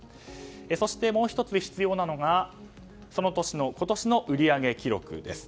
そして、もう１つ必要なのが今年の売り上げ記録です。